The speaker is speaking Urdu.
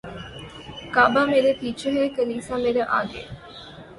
کعبہ مرے پیچھے ہے کلیسا مرے آگے